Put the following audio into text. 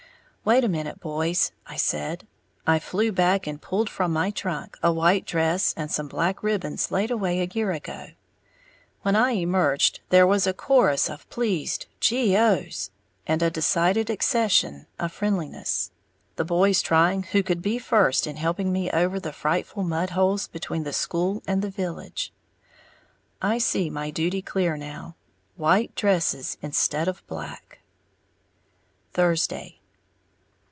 "Wait a minute, boys," I said. I flew back and pulled from my trunk a white dress and some black ribbons laid away a year ago. When I emerged, there was a chorus of pleased "gee ohs" and a decided accession of friendliness, the boys trying who could be first in helping me over the frightful mudholes between the school and the village. I see my duty clear now, white dresses instead of black. _Thursday.